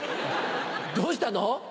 どうしたの？